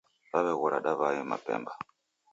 Daw'eghora daw'ae mapemba.